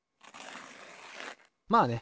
まあね